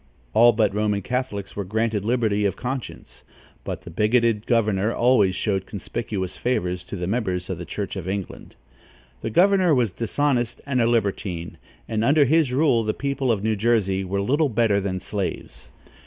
All but Roman Catholics were granted liberty of conscience; but the bigoted governor always showed conspicuous favors to the members of the Church of England. The governor was dishonest and a libertine, and under his rule the people of New Jersey were little better than slaves.